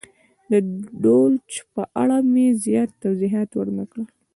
د دولچ په اړه مې زیات توضیحات ور نه کړل.